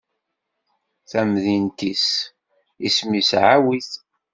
tamdint-is isem-is Ɛawit.